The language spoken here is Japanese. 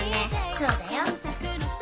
そうだよ。